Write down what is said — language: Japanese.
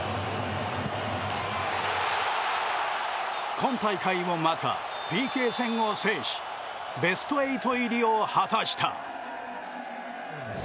今大会もまたＰＫ戦を制しベスト８入りを果たした。